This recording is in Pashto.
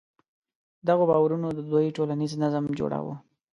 دغو باورونو د دوی ټولنیز نظم جوړاوه.